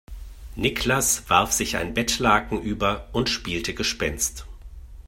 Niklas warf sich ein Bettlaken über und spielte Gespenst.